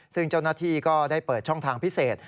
ซึ่งเจ้าหน้าที่ก็ได้เปิดช่องทางพิเศษ